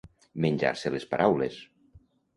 Menjar-se les paraules.